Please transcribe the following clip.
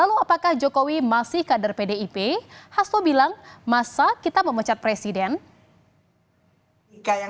oh ya mohon maaf pak asto ya terima kasih pak asto paling oke